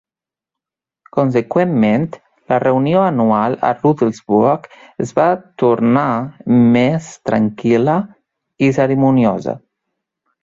Conseqüentment, la reunió anual a Rudelsburg es va tornar més tranquil·la i cerimoniosa.